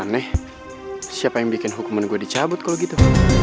aneh siapa yang bikin hukuman gue dicabut kalau gitu